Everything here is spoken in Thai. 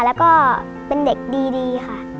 แล้วก็เป็นเด็กดีค่ะ